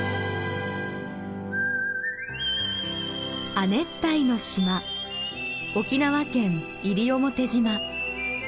亜熱帯の島沖縄県西表島。